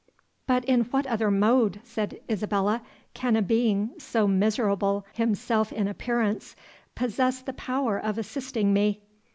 "But in what other mode," said Isabella, "can a being, so miserable himself in appearance, possess the power of assisting me?"